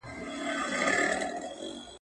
و هغې ته له بېلا بېلو اړخونو څخه